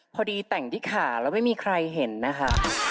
พอดีแต่งที่ขาแล้วไม่มีใครเห็นนะคะ